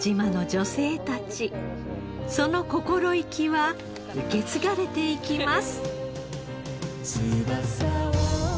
その心意気は受け継がれていきます。